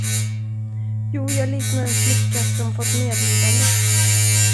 Jo, jag liknar en flicka som fått medlidande.